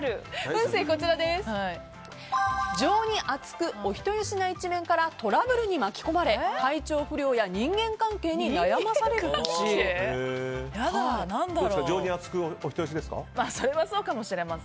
運勢は、情に厚くお人よしな一面からトラブルに巻き込まれ体調不良や人間関係に情に厚くお人よしですか？